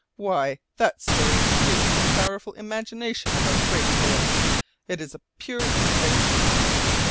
Why, that story is due to the powerful imagination of our great poet. It is a pure invention."